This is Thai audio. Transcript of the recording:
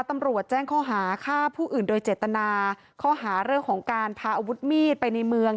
ตำรวจแจ้งข้อหาฆ่าผู้อื่นโดยเจตนาข้อหาเรื่องของการพาอาวุธมีดไปในเมือง